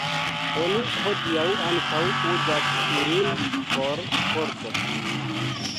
Oni hodiaŭ ankaŭ uzas ilin por sporto.